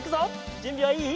じゅんびはいい？